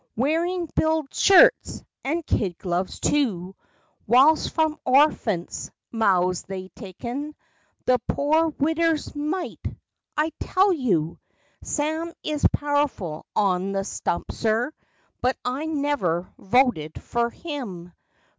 Wearin' ' biled shirts ' and kid gloves, too ! Whilst from orphants' mouths they's takin' ' The pore widder's mite! ' I tell you , Sam is powerful on the stump, sir; But I never voted fer him.